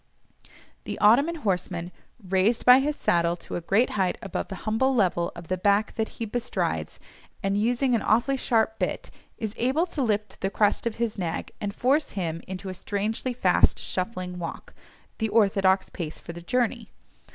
The Ottoman horseman, raised by his saddle to a great height above the humble level of the back that he bestrides, and using an awfully sharp bit, is able to lift the crest of his nag, and force him into a strangely fast shuffling walk, the orthodox pace for the journey.